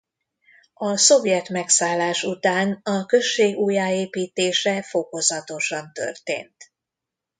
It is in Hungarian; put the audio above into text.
A szovjet megszállás után a község újjáépítése fokozatosan történt.